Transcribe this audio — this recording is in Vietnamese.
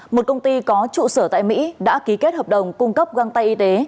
một công ty có trụ sở tại mỹ đã ký kết hợp đồng cung cấp găng tay y tế